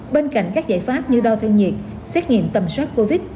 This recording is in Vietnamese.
bên cạnh các giải pháp như đo thêm nhiệt xét nghiệm tầm sóc covid